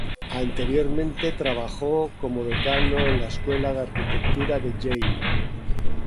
Anteriormente trabajó como decano de la Escuela de Arquitectura de Yale.